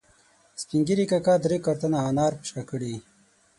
سپین ږیري کاکا درې کارتنه انار په شا کړي